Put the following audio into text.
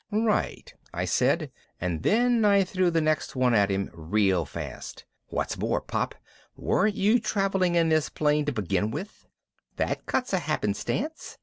"Right," I said and then I threw the next one at him real fast. "What's more, Pop, weren't you traveling in this plane to begin with? That cuts a happenstance.